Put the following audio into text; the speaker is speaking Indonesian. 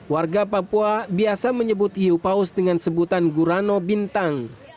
warga papua biasa menyebut hiu paus dengan sebutan gurano bintang